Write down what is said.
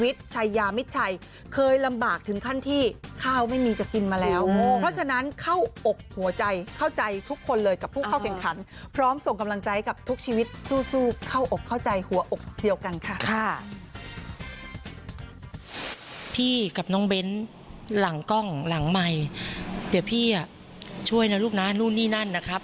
พี่กับน้องเบ้นหลังกล้องหลังใหม่เดี๋ยวพี่ช่วยนะลูกนะนู่นนี่นั่นนะครับ